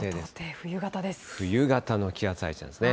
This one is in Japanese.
冬型の気圧配置ですね。